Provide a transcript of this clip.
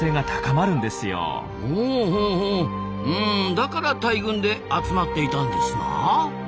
だから大群で集まっていたんですな。